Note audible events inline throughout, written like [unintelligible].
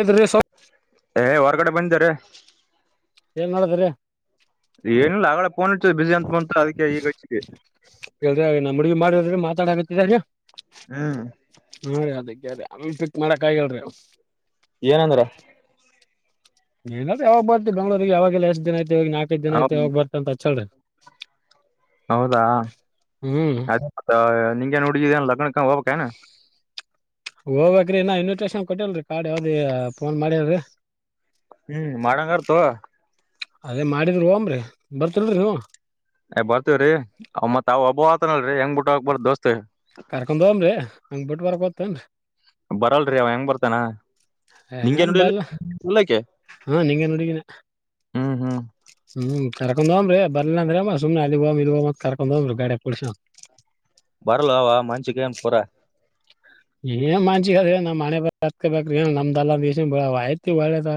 ಇದ್ರಿ ಸ್ವಲ್ಪ ಏ ಹೊರಗಡೆ ಬಂದಿವ್ರಿ. ಏನ್ ನಡದದ್ರಿ. ಏನಿಲ್ಲ ಅಗಳೆ ಪೋನ್ ಹಚ್ಚಿದ್ ಬಿಜಿ ಅಂತ್ ಬಂತು ಅದಕ್ಕೆ ಈಗ ಹಚ್ಚಿದೆ. [unintelligible] ಹ್ಮ ಹ್ಮ್ ಅದಕೇರಿ. ಅಮಿತುಕ್ ಮಾಡಕ್ ಆಗಿಲ್ ರಿ. ಏನಂದ್ರ ಏನಾದ ಯಾವಾಗ ಬರ್ತಿ ಬೆಂಗಳೂರಿಗೆ ಯಾವಾಗಿಲ್ ಎಷ್ಟ ದಿನ ಆಯ್ತ್. ತಿ ಹೋಗಿ ನಾಲ್ಕೈದು ದಿನ ಹೌ ಐತ ಯಾವಾಗ್ ಬರ್ತ ಅಂತ ಹಚ್ಚಲ್ರಿ. [inaudible] ಹೌದಾ ಹ್ಮ್ ಅದೆ ಮತ್ ನಿಂಗೆನ್ ಹುಡುಗಿದ ಎನ್ ಲಗ್ನಕ ಹೋಗ ಕೇನ. ಹೋಗ್ಬೇಕ್ರಿ ಹಿನ್ನ ಇನ್ವಿಟೇಶನ್ ಕೊಟ್ಟಿಲ್ರಿ ಕಾರ್ಡ್ ಯಾವ್ದ ಅ ಫೋನ್ ಮಾಡಿಲ್ರಿ. ಹ್ಮ್ ಮಾಡಂಗಾರ್ ತೋ. ಅದೇ ಮಾಡಿದ್ರ ಹೋಗಮ್ರಿ ಬರ್ತಿರಿಲ್ ನೀವು. ಏ ಬರ್ತತಿವ್ರೀ ಅವ ಮತ್ ಅವ್ ಒಬ್ಬ ಆತನಲ್ರಿ ಹೆಂಗ್ ಬಿಟ್ಟ ಹೋಗಕ್ ಬರುತ್ ದೋಸ್ತ್. ಕರ್ಕೊಂಡ್ ಹೋಗಮ್ರಿ ಹಂಗ್ ಬುಟ್ಟ ಬರಾಕ್ ಬರ್ತದೆನ್ರಿ ಬರಲ್ರಿ ಅವ ಹೆಂಗ್ ಬರ್ತಾನ ಏ ನಿಂಗೇನ್ ಬಲ್ ಹುಡುಗಿಲ್ಲಕಿ ಹಾ ನಿಂಗೆನ್ ನುಡಿಗಿನ. ಹ್ಮ್ ಹ್ಮ್ ಹ್ಮ್ ಕರ್ಕೊಂಡ್ ಹೋಗ್ಂಬ್ರಿ ಬರ್ಲಿಲ್ಲ ಅಂದ್ರ ಎನ್ ಮಾಡೋದ್ ಸುಮ್ನೆ ಅಲ್ಲಿಗ್ ಹೋಗ್ ಇಲ್ಲಗ್ ಹೋಗ್ ಅಂತ್ ಕರ್ಕೊಂಡ್ ಹೋಗಂ ರಿ ಗಾಡ್ಯಾಗ್ ಕುಡ್ಸ್ಕಂಡ್. ಪುರಾ ಏನ್ ಮಾನಸಿಕ್ ಅದ ರಿ ನಮ್ ಹಣೆಬರಹ ಅನಕಬೇಕ್ರಿ ನಮ್ಮದಲ್ಲ ಅಂದ ಗೇಸಿ ಆಯಿತ್ ಒಳ್ಳೇದ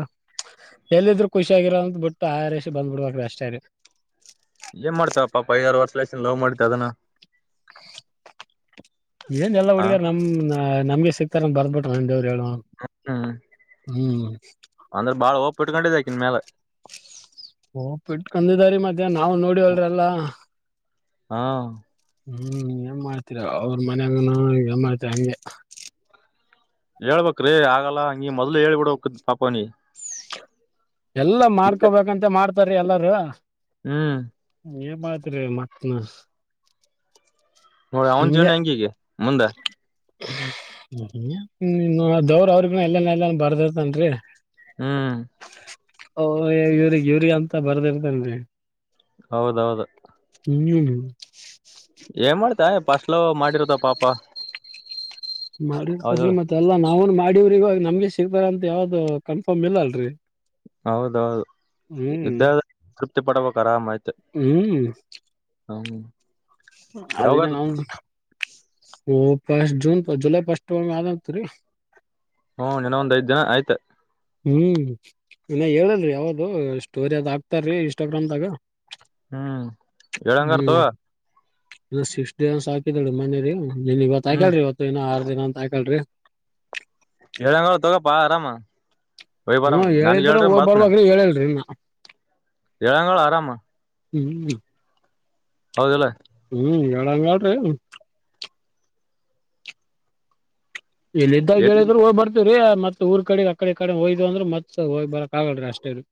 ಎಲ್ಲಿ ಇದ್ರು ಕುಸಿ ಆಗಿರೊದ ಅಂತ್ ಬುಟ್ಟ ಆರ್ ಏಷಿಗ ಬಂದ್ ಬುಡೋದ ಅಕಡಿ ಅಷ್ಟೇ ರಿ. ಏನ್ ಮಾಡ್ತಾವ ಪಾಪ ಐದಾರು ವರ್ಷ ಲೆಸಿಂಧ್ ಲವ್ ಮಾಡಿತ್ ಅದನ್. ಏನ್ ಎಲ್ಲಾ ಹುಡುಗೆರ್ ನಮ್ ನ ಆ ನಮಗೆ ಸಿಗ್ತಾರ ಬಿಟ್ಟರ್ ಎನ್ ದೇವ್ರ. ಹೇಳು ಹ್ ಹ್ಮ. ಹ್ಮ್ ಆಕಿನ್ ಮ್ಯಾಲ ಓ ಬುಟ್ಕೊಂಡ ಇದೆರಿ ಮತ್. ಇದೇ ನಾವ್ ನೋಡಿವಲ್ರಿ ಎಲ್ಲಾ. ಹಾ ಹ್ಮ್ ಏನ್ ಮಾಡ್ತೀರ ಅವ್ರ ಮನ್ಯಾಗನ ಏನ್ ಮಾಡ್ತರಿ ಹಂಗೆ. ಹೇಳ್ಬೇಕ್ರಿ ಆಗಲ್ಲ ನೀ ಮೊದ್ಲೇ ಹೇಳ್ಬಿಡಬೇಕಿತ್ತ ಪಾಪ್ ಅವ್ನಿಗ. ಎಲ್ಲ ಮಾಡ್ಕಬೇಕಂತೆ ಮಾಡ್ತಾರಿ ಎಲ್ಲಾರ ಹ್ಮ್ ಏನ್ ಮತ್ರಿ ಮತ್ತ ನೋಡಿ ಅವನ ಜೀವನ ಹೆಂಗ ಈಗ ಮುಂದ ದೇವ್ರ ಅವ್ರಿಗ ಎಲ್ಲನ ಮೇಲೆ ಬರ್ದತನ್ರಿ ಹ್ಮ್ ಹೋ ಇವ್ರಿಗೆ ಇವ್ರ ಅಂತ ಬರ್ದಿರ್ದನ್ರಿ ಹೌದೌದು ಹ್ಮ್ ಏ ಮಾಡ್ತಾ ಯಾಪಾ ಫಸ್ಟ್ ಲವ್ ಮಾಡಿರುತ್ತ ಪಾಪ ಮರಡಿ ಹೌದಲ್ಲ ಮತ್ತೆ ಅಲ್ಲಾ ನಾವನ್ ಆಡವ್ರ ಇವಾಗ ನಮ್ಗೆ ಸಿಗ್ತಾರ ಅಂತ ಯಾವ್ದು ಕನ್ಫರ್ಮ್ ಇಲ್ಲ ಅಲ್ರರಿ ಹೌದೌದು ಹ್ಮ್ ಇದ್ದ ತೃಪ್ತಿಪಡಬೇಕು ಆರಾಮ್ ಹ್ಮ್ ಹಾಮ ಅದಕ್ಕೆ ನಾ ಓ ಪಸ್ಟ್ ಜೂನ್ ಜುಲೈ ಪಫಸ್ಟ್ ಒ ಆದ ಅಂತ ರೀ ತ್ತ ಹ್ಮ್ ಇನ್ನ ಹೇಳಲ್ರಿ ಯಾವ್ದ ಸ್ಟೋರಿ ಅದ್ ಹಾಕ್ತಾರೀ ಇಷ್ಟಗ್ರಾಮದಾಗ ಹ್ಮ ಏಳರಂಗತಗೊ ಇ ಸಿಕ್ಸ್ ಡೇನ್ಸ್ ಹಾಕಿದಾಳ ಮನೆರಿ ನೀನ್ ಇವತ್ತು ಹ್ಮ್ ಆಕಲ್ರಿ ಇವತ್ತು ಇನ ಆರು ದಿನ ಅಂತ ಅಕ್ಯಾಲರಿ ಎಳೆಲ ತೊಗಪ್ಪಾ ಆರಾಮಾ ಹ್ಮ ಹೇಳಿದ ಹೋಗ್ ಬರಬೇಕು ಹೇಳೇಲ್ರಿ ಏನ ಏಳಂಗಳ ಆರಾಮ ಹ್ಮ್ ಹೌದೀಲ್ಲ ಹ್ಮ್ ಹೇಳಂಗ ಹಾಳ್ರಿ ಇಲ್ಲಿದಾಗ ಹೇಳಿದರ ಹೋಗಿ ಬರತ್ತಿದ್ದೀವಿ ರೀ ಮತ್ ಊರ್ ಕಡೆ ಆ ಕಡೆ ಈ ಕಡೆ ಹೋಯ್ ಅ್ರ ಮತ್ ಹ್ರಕ್ ಆಗಲ್ರಿ ಅಷ್ಟೇ ರೀ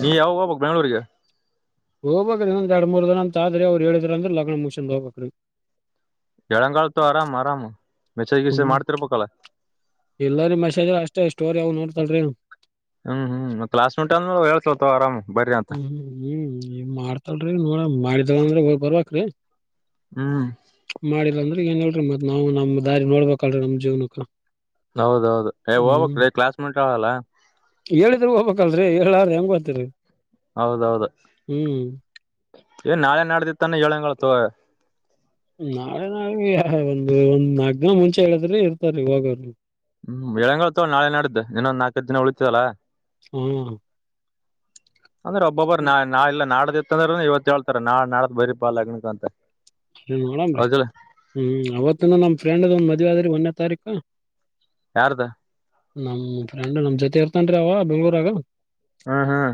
ನೀ ಯಾವಗ ಹೋಗಬೇಕು ಬೆಂಗಳೂರಿಗೆ ಹೋಗ್ಬೇಕ ಇನ್ನಂದ ಎರಡು ಮೂರು ದಿನ ಅಂತ ಆದ್ರೆ ಅವ್ರು ಹೇಳಿದ್ರರು ಅಂದ್ರರು ಲಗ್ನ ಮುಗಿಸಿಕೊಂಡ ಹೋಗಬೇಕ್ರಿ ಏಳಂಗಳ ತೋ ಆರಾಮ ಆರಾಮ ಹ್ಮ್ ಈಲ್ಲರಿ ಮಸೇಜ್ ಅಷ್ಟೇ ಓವರ್ ವು ನೋಡ್ತಾಲ್ ರಿ ಹ್ಮ್ ಹ್ಮ್ ಕ್ಲಾಸ್ ಮುಟ್ಟ ಅಂದ ಹೇಳತಾಳ ತೋ ಆರಾಮ್ ಬರ್ರಿ ಅಂತ ಹ್ಮ್ ಹ್ಮ್ ಹ್ಮ್ ನ್ ಮಾಡ್ತಲ್ರಿ ನೋಡ ಮಾಡ ಅಂದ್ರೆ ಹ ಬರ್ವಕ್ ರೀ ಹ್ಮ್ ಮಾಡಿಲ್ಲಾ ಅಂದ್ರೆ ಗಏನ್ ನೋಡ್ರಿ ಮತ್ ನಾವು ನಮ್ ದಾರಿ ನೋಡ್ಬೇಕಲ್ರರಿ ನಮ್ ಜೀವನಕ್ಕ ಹೌದೌದು ಹೋಗಬಕ್ ರೀ ಕ್ಲಾಸ್ ಮೇಟ್ ಕಾಲಲಾ ಹೇಳಿದ್ರರು ಹೋಗಬೇಕಲ್ರಿ ಹೇಳಾರ ಹೆಂಗ ಬತ್ರಿ ಹೌದೌದ ಏ ನಾಳೆ ನಡ್ದಿತ್ತಾನ ಹೇಳಳ್ಂಗಗಳ ತ ನಾಳೆ ನಾಳ ಒಂದು ಒಂದ್ ನಾಲ್ಕ ದಿನ ಮುಂಚೆ ಹೇಳಿದ್ರೆ ಇರ್ತಾರಿ ಹೋಗೋರು ಹ್ಮ್ ಬೆಳಂಗಳ ತ ನಾಳೆ ನಡ್ದು ಇನ್ನೊಂದ ನಾಲ್ಕಕ್ ದಿನ ಉಳಿತತದಲ್ಲ ಹ್ಮ ಅಂದ್ರೆ ಒಬ್ಬೊಬ್ಬ ನಾಳ ಇಲ್ಲ ನಾಡ್ದ ಇಂದ್ರ ಇವತ್ ಹೇಳ್ತಾರ ನಾಳ ನಾಳ ಬರಿ ಪಾಲ್ ಅಗ್ನಕ ಅಂತ ಏನ್ ನೋಡನ್ರಿ ಹೌದಿಲ್ಲ ಹ್ಮ್ ಅವತ್ತು ನನ್ ನಮ್ ಫ್ರೆಂಡ್ ಒಂದ್ ಮದ್ [unintelligible] ಒಂದ್ನೇ ತಾರೀಕು. ಯಾರ್ದು ನಮ್ ಫ್ರೆಂಡ್ ನಮ್ ಜೊತೆ ಇರ್ತನ್ ರಿ ಅವ ಬೆಂಗ್ಳೂರಗ ಹಾಂ ಹಾಂ.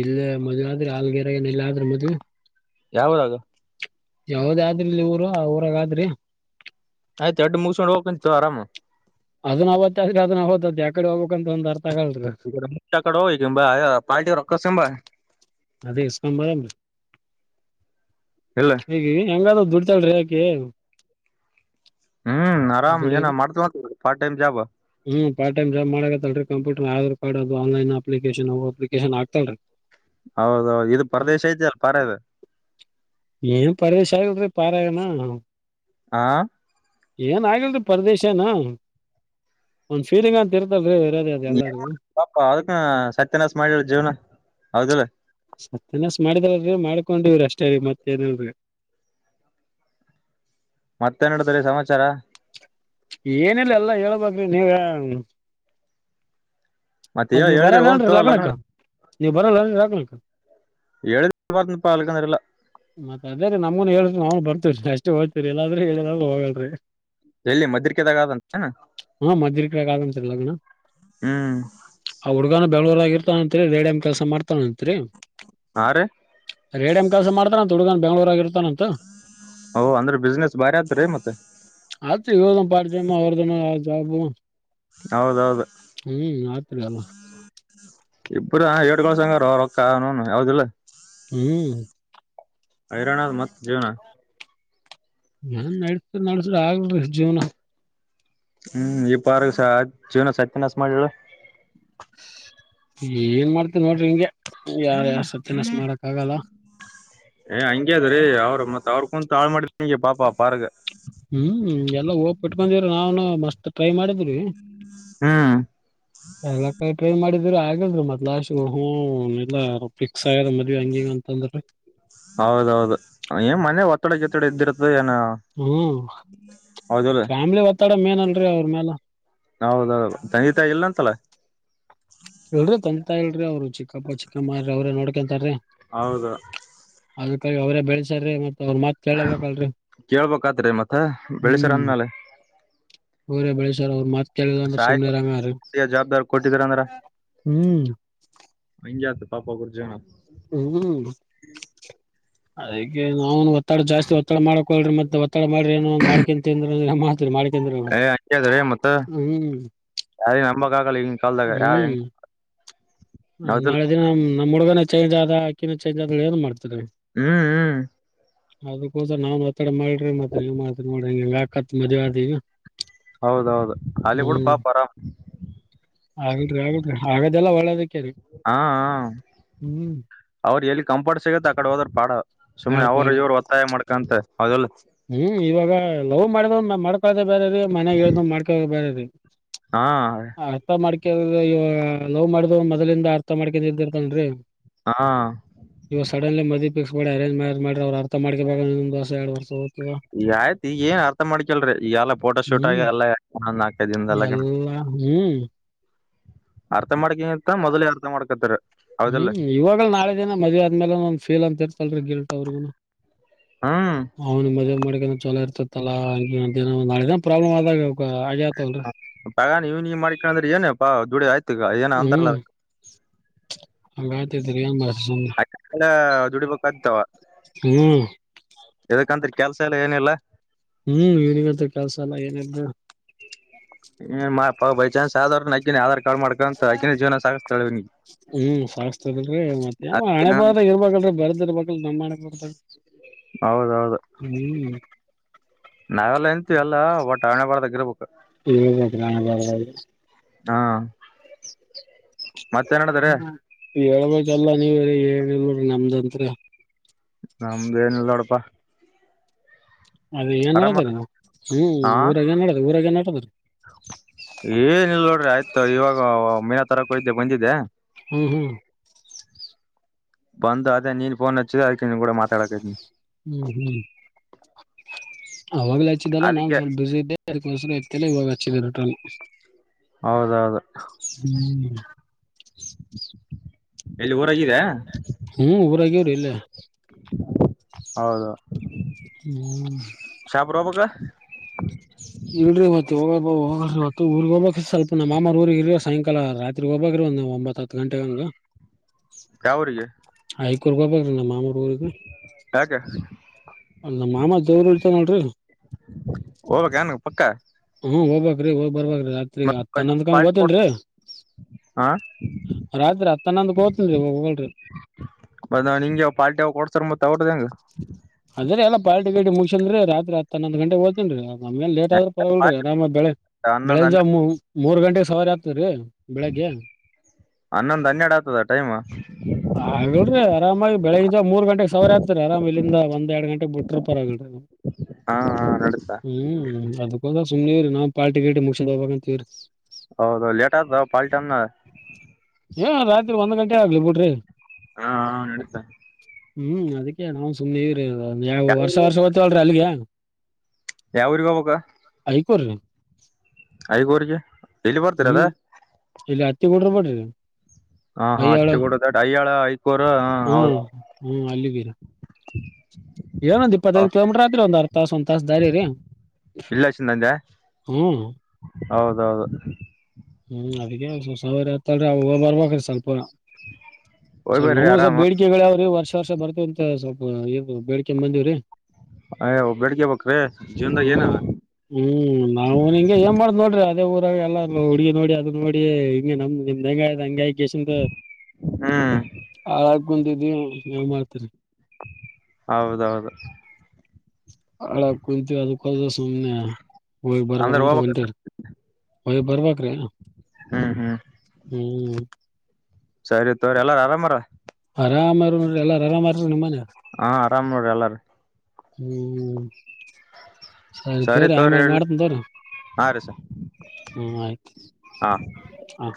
ಇಲ್ಲ ಮದ್ವೆ ಆದ್ರೆ ಹಲ್ಗರ ಏನ ಇಲ್ಲ ಆದ್ರೆ ಮದ್ವೆ ಯಾವ್ ಊರಾಗ ಯಾವದೇ ಆದ್ರ ಇಲ್ಲಿ ಊರು ಆ ಊರಾಗ ಆದ್ರಿ.. ಆಯ್ತು ಅಡ್ಡು ಮುಗಿಸಸಕೊಂಡು ಹೋಗ್ಂತ್ತು ಆರಾಮು ಅದ ನತ್ತಾದ್ರೆ ಅದ ನಾ ಹದ್ದತ್ ಯಕಡೆ ಹೋಗಬೇಕ ಅಂತ ಒಂದ [unintelligible] [unintelligible] ಪಾರ್ಟಿ ರೊಕ್ಕಸಂಬ. ಅದೇ ಇಸ್ಕಾಮ ಬರ [unintelligible] ಇಲ್ಲ ಹೇಗೆ ಹೆಂಗಾದ ದುಡ್ತಾಳ್ರೀ ಯಾಕೆ ಹ್ಮ್ ಆರಾಮ್ ದುಡಿಯಾಗ ಏನ ಮಾಡ್ತ. ಪಾರ್ಟ್ ಟೈಮ್ ಜಾಬ್ ಅೀ [unintelligible] ಕಂಪೂರ್ ಆಧಾರ್ ಅದು ಆನ್ಲೈನ್ ಅಪ್ಲಿಕೇಶನ್ ಅಪ್ಲಿಕೇಶನ್ ಆಗ್ತಾನ್ ರಿ ಹೌದೌದು ಇದು ಪರದೇಶ ಇದ್ದ ಅಲ್ಲ ಪಾರ ಇದೆ ಪಾರಣ ಅಂ ಏನ ಆಗಲ್ರಿ ಪರದೇಶನ ಒಂದ್ ಫೀಲಿಂಗ್ ಅಂತ ಇರ್ತಲ್ರರಿ ಏನ್ ಪಾಪಾ ಅದಕ್ಕ ಸತ್ಯನಾಶ ಮಾಡಿ ಜೀವನ ಹೌದಿಲ್ಲ ಸತ್ತನಸ್ ಮಾಡಿದ್ರಲ್ರಿ ಮಾಡ್ಕೊಂಡಿವವ್ರಿ ಅಷ್ಟೇ ಮತ್ತ ಏನಲ್ರಿ ಮತ್ತೆ ನಡ್ರಿ ಸಮಾಚಾರ ಏನಿಲ್ಲ ಎಲ್ಲ ಹೇಳ್ಬೇಕ್ ನೀವೆ ಮತ್ತೆ ಮತ್ ನೀವ್ ಹೇಳಿದ್ರಿ ಓಂ ಬರದೇನ್ರಿ ತೋ ಲಗ್ನಕ್ಕ ಲಗ್ನ ನೀವ್ ಬರದನ್ ಲಕ್ನಕ್ಕ ಹೇಳಿದ ಬರ್ತನಪ್ಪ ಅಲ್ಕಂದ್ರಿಲ್ಲ ಮತ್ತ ಅದೇ ರೀ ನಮ್ಗೂನು ಹೇಳ ನಾವನು ಬರ್ ರಿ ಅಷ್ಟೇ ಹೋಗ್ತತಿರಿ ಏಲ್ಲಾದ್ರೂ ಹೇಳ್ದಾಗ ಹೋಗಲ್ರ. ಎಲ್ಲಿ ಮದರಿ ಕೆದಾಗಾದಂತನ ಹಾ ಮದ್ರಿಕಾಗ ಆಗಂತ್ರಿ ಲಗ್ನ ಹ್ಮ್ ಬೆಂಗಳೂರು ಅಲ್ಲೇ ಇರ್ತಾನಅತ್ರಿ ರೇಡಮ್ ಕೆಸ ಮಾಡತಾನಂತ್ರಿ ಹಾ ರೀ ರೇಡಮ ಕೆಲ್ಸ ಮಾಡ್ತ ತುಡು ಹಂತ ಬೆಂಗಳೂರು ಆಗೆ ಓ ಅಂದ್ರೆ ಬಿಸ್ನೆಸ್ ಬಾರಿ ಆದತ್್ರೀ ಮತ್ತೆ ಇ ಪಡಜಮ್ಮ ಅವ ದ ಆಬ ಹೌದೌದು ಹ್ಮ್ ಆತ್ರಿ ಅಲ್ಲ ಇಬ್ಬರು ಏಡ್ ಗಳು ಸಂಗಾರ ಅವ ರೊಕ್ಕನು ಯಾವ್ದಿಲ್ಲ ಹ್ಮ್ ಹೈರಾಣದ ಮತ್ತತ್ ಜೇವನ ನ್ ನಡಸ ನಡ್ಸ್ರ ಅಗಲ ರಿ ಜೀವನ ಹ್ಮ್ ಈ ಪಾರ್ಕ್ಸ ಜೀವನಸ ಸತ್ಯನ್ಾಸ ಮಾಡಿದರು ಏನ್ ಮಾಡ್ತನ್ ನೋಡ್ರಿ ಹಂಗೆ ಯಾರ ಯಾವ ಸಿನಸ್ ಮಾಡಕ್ ಆಗಲ್ಲ ಏ ಹಂಗ್ಯ ಅದ್ರೀ ಅವ್ರು ಮತ್ ಅವ್ರ ಕುೂಂತ ತಾಳು ಮಾಡಿದಂಗೆ ಪಾಪ ಪಾರ್ಗ ಹ್ಮ್ ಎಲ್ಲ ಹೋಗ ಬಿಟ್ಕೊಂಡಿದ್ರ ನಾವನು ಮಸ್ತ್ ಟ್ರೈ ಮಾಡಿದ್ರಿ ಹ್ಮ್ ಎಲ್ಲ ಕ ಟ್ರೈ ಮಾಡಿದ ್ರ ಆಗಲ್ರಿ ಮತ್ ಲಾಸ್ ಹ್ ಎಲ್ಲ ಹೌದೌದು ಏನ್ ಮನೆ ಒ ಜೊತೆಡೆ ಇದ್ದಿರುತ್ತೆ ಹ್ಮ್ ಹೌದುಲ್ಲ ಫ್ಯಾಮಿಲಿ ಒತ್ತಡ ಮೇನ್ ಅಲ್ರಿ ಅವ್ರ ಮ್ಯಾಲ ಹೌದೌದು ತಗಿತಾಯಲ್ಲ ಅಂತಲ್ಲ ಹೇಳ್ರಿ ತಂತ ಹೇಳ್ರಿ ಅವ್ರ ಚಿಕ್ಕಪ್ಪ ಚಿಕ್ಕಮ್ಮ ಅವ್ರ ನೋ ಹೇಂತಾರೆ ಹೌದು ಅದಕ್ಕಾಗಿ ಅವರೇ ಬೆಳೆಸ್ರ ಮತ್ತೆ ಕೇಳ್ಬೇಕತ್ರಿ ಮತ್ತೆ ಬೆಳಸಾರ ಅಂದ್ಮೇಲೆ ಹರೇ ಬಳಸರ್ ಅವ್ರತ್ ಸಾಯ ಜವಾಬ್ದಾರಿ ಕೊಟ್ಟಿದ್ರ ಹ್ಮ್ ಅಂದ್ರಂಜಾ ಪಾಪ ಗುರುಜನಾ ಹ್ಮ್ ಅದ ನಾವ ಒತ್ತಡ ಜಾಸ್ತಿ ಒತ್ತಡ ಮಾಡಕೊಳ್ರಿ ಮತ್ತೆ ಒತ್ತಡ ಮಾಡ್ರಿ ಏ ಒ ಮಾಡ್ಕಂತ್ರ ಏ ಹದ್ರೀ ಮತ್ತ ಹ್ಮ್ ಯಾರ ನಂಬಕ್ ಆಗಲ್ಲ ಈಂಗ ಕಲ್ದಾಗ ಯಾರ್ ಹೆಂಗ ಹ ಯಾವ್ದಿಲ್ಲ ನಾಳೆ ದಿನ ನಮ್ಮ ಹುಡ್ಗನೆ ಚೇಂಜ್ ಆದ ಹಾಕಿನ ಚಂಜ್ ಆದ ಏನ್ ಮಾಡ್ತಾರೆ ಹ್ಮ್ ಹ್ಮ್ ಅದಕ್ಕೋಸರ ನಾವ್ ಮಾತಾಡ ಮಾಡ್ರಿ ಮತ್ತತ್ ನೀವ್ ಮಾ್ತ್ ನಡ್ರಿ ಹಂಗ ಹೆಂಗ ಆಕತ್ ಮದ್ೆ ಆದ ಈಗ ಹೌದೌದು ಅಲ್ಲಿ ಕೂಡ ಪಾಪ ಆರಾಮ್ ಆಗ್ರಿ ಆಗಲ್್ರಿ ಆಗದೆಲ್ಲ ಒಳ್ಳದಕ್ಕೆ ಹ ಅವ್ರ ಎಲ್ಲಿ ಕಂಪೋರ್ಟ್ ಸಿಗತ್ತ ಆಕಡೆ ಹೋದ್ರ ಪಾಡ ಸುಮ್ನೆ ಪಾಡ್ ಅವರು ಪಾಡ್ ಇವರು ಒತ್ತಾಯ ಮಾಡ್ಕಂತ ಹೌದಲ್ಲ ಹ್ಮ್ ಇವಾಗ ಲವ್ ಮಾಡಿದ್ ಮಾಡ್ಕ ಬೇರೆ ರೀ ಮನೆಾಗ ಹೇಳ್ದ್ ಮಾಡ್ಕೋ ಬೇರೆ ರೀ ಹಾ ಕೆ ಲವ್ ಮಾಡ್ದ ಮೊದಲಿಂದ ಅರ್ಥ ಮಾಡ್ಕೊಂಡ ಇದ್ದಿರ್ತನ್ರೀ ಹಾ ಇವು ಸಡನ್ಲಿ ಮದ ಫಕ್ಸ್ ಮಾಡಿ ಅರೇಜ್ ಮಾಡ್ರ ಅವ್ ಅರ್ ಮಾಡಕ ದಸ ಎಡುರ್ಷ ಈಗ ಆಯ್ತು ಈಗ ಏನ್ ಅರ್ಥ ಮಾಡ್ಕಲ್ರಿೀ ಈಲ್ಲ ಫೋಟೋ ಶೂಟ್ ಆಗಿ ಹ್ಮ್ ಎಲ್ಲೊಂದ ನಾಲ್ಕೈ ದನ್ದಲ್ಲ ಎಲ್ಲಾ ಹ್ಮ್ ಆ ಹೌದಿಲ್ಲ ಹ್ಮ್ ಇವಾಗ ನಾಳೆ ದಿನ ಮದ್ವೇ ಆದ್ಮೇಲೆಂದ ಫೀಲ್ ಅಂತ ಇರ್ತಲ್ರಿ ಗಿಲ್ಟ ಅವ್ರಿಗುನು ಹ್ಮ್ ಅವನು ಮದ್ವೇ ಮಾಡಕ ಚಲೋ ಇರ್ತತ್ತಲ್ಲಾ ನಾಳೆ ಪ್ರಾಬ್ಲಮ್ ಆದಾಗ ಆಗ್ಯಾತವಲ್ರಿ ಪಗ ನೀವ್ ನೀ್ ಮಾಡಕೊಂಡಂದ್ರೆ ಏನ ಹಾ ದುಡಿ ಆಯತು ಏನ ಹ್ಮ್ ಆಂತರ್ಲ ತಿಗಿ ತ ಹೆಂಗ್ ಮಾರ್ ಆ ದುಡಿಬೇಕಾಗತಾವ ಹ್ಮ್ ಯದಕತ್ರಿ ಕೆಲ್ಸ ಎಲ್ಲ ಏನಿಲ್ಲ ಹ್ಮ್ ಯನಿವತ್ರ ಕೆಲಸ ಅಲ್ಲ ಏನ್ರ ಹ್ಮ್ಾ ಬೈ ಚಾನ್ಸ್ ಸಾಧಾರಣ ಆಗಧಾರ ಹ್ಮ್ ಸಾಸ್ತದಲ್ರಿ ಮತ್ತೆ ಯಾವ ಹಣೆಬಾರ್ದಾಗ ಇರ್ಬಲ್ರಿ ಬರ್ದ ಇರ್ಬೇಕಲ್ ನಮ್ಮಣ ಬರ್ದ ಹೌದೌದು ಹ್ಮ್ ನಾವೆಲ್ಲ ಎಂತೀವಿ ಎಲ್ಲ ಒಟ್ಟಣೆ ಬರದಾಗ ಇರ್ಬೇಕು ಹದು [unintelligible] ಹಾ ಮತ್ತೇನಡದಾರ ಹೇಳ್ಬೇಕಲ್ಲ ನೀವ್ ಏನಲ್ರಿೀ ನಮ್ದಂತ್ರ ನಮ್ದ ಏನಲ್ಲ ಅಡಪಾ ಅದೇ ಏನ್ ಹೇಳದ ನ ಹ್ಮ್ಊರ ಏ ಹೇಳೋದ ಊರಾಗ ಏನ್ ಹದು ಏನಲ್ ನೋಡ್ರಿ ಆಯ್ತು ಇವಾಗ ಮೀನಾ ತರಕೆಹೋಗೋಡ್ಡಯ್ದೆ ಬಂದಿದ್ದೆ ಹ್ಮ್ ಹ್ಮ್ ಬಂದು ಅದೇ ನೀನ್ಫೋನ್ ಹಚ್ಚಿದ ಅದಕ್ಕೆ ನಿನ್ ಕೂಡ ಮಾತಾಡಕಾ ಇದನಿ ಹ್ಮ್ ಹ್ಮ್ ಅವಾಗಲಾಚ್ಚಿದ್ದಲ್ಲ ನಾ ಅದಕ್ಕೆ ಸಲ್ಪ ಬ್ಯುಸಿ ಇದ ಬಸ ಎ ಯಾಗಟ [unintelligible] ಹೌದೌದು ಹ್ಮ್ ಇಲ್ಲಿ ಹ್ಮ್ ಊಬರಾಗ್ಯವ್ರ [unintelligible] ಇಲ್ಲ ಹೌದು ಹ್ಮ್ ಶಪರಬಾಗ [unintelligible] ಇಡ್ರಿ ಮತ್ತ ಹೋಗ ತ್ತು ಊರಿಗೆ ಹೋಗಬಬೇಕ ಸ್ವಲ್ಪ ನಮ್ಮ ಮಾಮಾರ್ ಊರಿಗೆ ಇರ ಸಾಯಂಕಾಲ ರಾತ್ರಿಗ್ ಹೋಗಬ್ರಿ ಒಂದ್ ಒಂಬತ್ತತ್ತು ಗಂಟೆ ಹಂಗ ಯಾವರಿಗೆ ಹೈ ಕೊ ಬ್ರ ನ ಮಾ [unintelligible] ಹೋಗಗ ಯಾಕೆ ನಮ್ಮ ಮಾಮ ದೇವರು ಹೇಳ್ತ ನೋಡ್ರಿ ಹಾ ಹ್ಮ ಹೋಗಬಬೇಕ ರೀ ಹೋಗ ಬರ್ಬೀ ರಾತ್ರಿ ಮತ್ ಹತ್ತ ಹನ್ನಂದಕಂಗ ಪಾರ್ಟಿ ಕೊಡ್ ಓತನ್ರರಿ ಹಾ ರಾತ್ರಿ ಹತ್ತ ಹನ್ನೊಂದ ಹೊತನ್ರಿ ಹೋಗಲ್ರಿ ರ್ ಮತ್ ಅವ್ರದ್ದ ಹೆಂಗಗೆ ಅದ್ರ ಎಲ್ಲ ಪಾರ್ಟಿ ಗೇಡಿ ಮುಗಸನ್ ರಾತ್ರಿ ಹನ್ನೊಂದು ಗಂಟೆ ಹದ್ತನ್ ನಮ್ಗೆ ಲೇಟ್ ಆದ್ರರು ಪರಲ್ರಿ ಆರಾಮ ಬೆಳ ಹನ್ನೊಂದ್ ಬೆಳಂಜ ಮೂರು ಗಂಟೆ ಸವಾರ ಆಗ್ತ ರೀ [unintelligible] ಬೆಳಿಗ್ಗೆ ಹನ್ನೊಂದ್ ಹನ್ನೆರಡು ಆಗ್ತದ ಟೈಮ್ ಹಾಗಡ್ರಿ ಆರಾಮಾಗಿ ಬೆಳಗ್ಗಿಂದ ಮೂರು ಗಂಟೆ ಸಾವಾರ ಆಗ್ತ ಆರಾಮ ಬ [inaudible] ಎರಡ್ ಗಂಟೆಗೆ ಬಿಟ್ರ ಪರ ಹಾ ನಡೀತಾ ಹ್ಮ್ ಅದಕ್ಕೊ ಸುಮೇನೇರಿನಾವು ಪಾರ್ಟಿ ಗಿಟ್ಟಿಮುಗಿಸ್ಕೊಂಡು ಹೋಗ್ಬೇಕಂತೀವರಿ ಹೌದು ಲೇಟ್ ಆತದ ಪಾಲ್ ಟೈಮ್ ನ ಏ ರಾತ್ರಿ ಒಂದ್ ಗಂಟೆ ಆಗ್ಲಿ ಬಿಡ್ರಿ ಹಾ ನೆಡಿತಾ ಹ್ಮ್ ಅದಕ್ಕೆ ನಾ ಸುಮ್ನೆ ಯಾವು ವರ್ಷ ವರ್ಷ ಹೋಗ್ತವಲ್ರರಿ ಅಲ್ಲಿಗೆ ಯಾವ ಊರೀಗೆ ಹೋಗಬೇಕು [unintelligible] ಐಗೋರ್ಗೆ ಹ್ಮ್ ಇಲ್ಲಿ ಹತ್ತಿ ಕೊಡ್ರ ಮಾಡಡ್ರಿ ಹ ಹಾ ಹಾ ಹತ್ತ ಕೂಡದ ಐ ಆಯ್ತು ಹ್ಮ ಹ್ಮ್ ಅಲ್ಲಿಗೆ [inaudible] ಹ ಏನೊಂದ್ ಇಪ್ಪತ್ತೈದು ಕಿಲೋಮೀಟರ್ ಅರ್ಧ ತಾಸು ಒಂದ್ ತಾಸ ದಾರಿ ರೀ ಇಲ್ಲಸಿಂದಂದೆ ಹ್ಮ ಹೌದೌದು ಹ್ಮ್ ಅದಿಗೆ ಸಾವ ಆತ್ತಲ್ರಿ ಅವ ಬರ್ಬ್ರೀ ಸ್ವಲ್ಪ ಹೋಗ್ ಬರ್ರಿ ನಮ್ಮ ಸ್ವಲ್ ಆರಾಮ್ ಬೇಡಿಕೆಗಳು ಆವ್ರಿ ವರ್ಷ ನೆಕ್ಸ್ಟ್ ವರ್ಷ ಬರ್ತವಿ ಅಂತ ಸ್ವಲ್ಪ ಬೇಡ್ಕೆ ಬಂದಿವವ್ರೀ ಅಯ್ಯೋ ಬೆಳಿಗ್ಗೆ ಬೇಕ್ರಿ ಜೀವನ್ದಾಗ ಹ್ಮ್ ಏನದ ಹ್ಮ್ ನಾವು ನಿಂಗೆ ಏನ್ ಮಾಡ್ದ್ ನೋಡ್ರಿ ಅದೇ ಊರಾಗ ಎಲ್ಲ ನೋಡಿ ಅದು ನೋಡಿ ಹಿಂಗೆ ನಮ್ದು ನಿಮ್ದು ಹೆಂಗಾಯ್ ಹಂಗ ಹ್ಮ್ [inaudible] ಕುಂದಿದ್ದಿ ಏನ್ ಮಾಡ್ತರಿ ಹೌದೌದು ಹೌದು ಸುಮ್ನೆ ಹೋಗ್ ಬರ್ಬೇಕು ಅಂದ್ರ ಅಂತ ಹೋಗ್ಬೇಕ ಒಂಟಿರಿ ಹೊಯಿ ಬರಬೇಕು ರೀ ನಾವು ಹ್ಮ್ ಹ್ಮ್ ಹ್ಮ್ [inaudible] ಸರಿ ತೋರಿ ಎಲ್ಲಾರ ಆರಾಮಾರ ಆರಾಮ ಎಲ್ಲ ಆರಾಮಾರ ನಿಮ್ಮನೆ ಹಾ ಆರಾಮ್ ನೋಡಿ ಎಲ್ಲಾರು ಹ್ಮ್ ಸರಿ ತಕೋರಿ ತೋರಿ ಆಮೇಲೆ ಇಡ್ಲಿ ಮಾಡ್ತೀನಿ ತಕೋರಿ ಹಾ ರೀ ಸರ್ ಹ ಆಯ್ತು ಹಾ ಹ